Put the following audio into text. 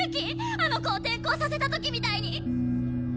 あの子を転校させた時みたいに！